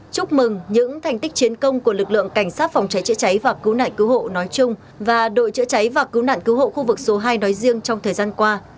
chúc mừng những thành tích chiến công của lực lượng cảnh sát phòng cháy chữa cháy và cứu nạn cứu hộ nói chung và đội chữa cháy và cứu nạn cứu hộ khu vực số hai nói riêng trong thời gian qua